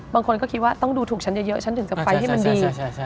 บางคนก็คิดว่าต้องดูถูกฉันเยอะฉันถึงกับไฟให้มันดี